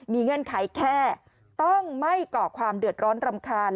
เงื่อนไขแค่ต้องไม่ก่อความเดือดร้อนรำคาญ